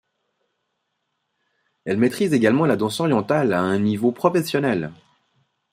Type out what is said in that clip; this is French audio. Elle maîtrise également la danse orientale à un niveau professionnel.